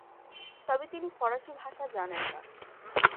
তবে তিনি ফরাসী ভাষা জানেন না।